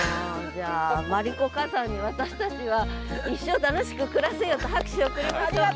じゃあマリコカザンに私たちは一生楽しく暮らせよと拍手をおくりましょう。